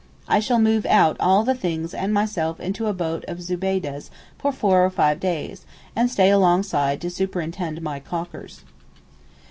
I shall move out all the things and myself into a boat of Zubeydeh's for four or five days, and stay alongside to superintend my caulkers.